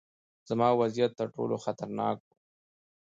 زما وضعیت ترټولو خطرناک و.